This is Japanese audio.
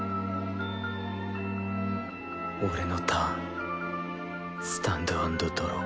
俺のターンスタンドアンドドロー。